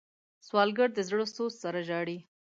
سوالګر د زړه سوز سره ژاړي